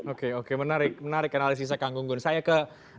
oke oke menarik menarik analisis saya kang gunggun saya ke